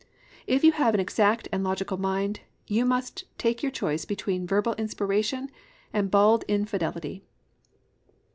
If you have an exact and logical mind, you must take your choice between Verbal Inspiration and bald infidelity.